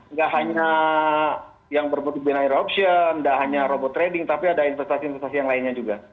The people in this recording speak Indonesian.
nggak hanya yang berbentuk binaire option nggak hanya robot trading tapi ada investasi investasi yang lainnya juga